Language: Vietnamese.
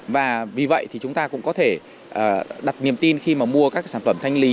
và vì vậy thì chúng ta cũng có thể đặt niềm tin khi mà mua các sản phẩm thanh lý